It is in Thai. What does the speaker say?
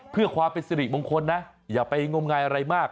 เพื่อความเป็นสิริมงคลนะอย่าไปงมงายอะไรมาก